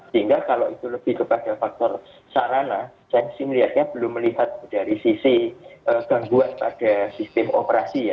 sehingga kalau itu lebih kepada faktor sarana saya sih melihatnya belum melihat dari sisi gangguan pada sistem operasi ya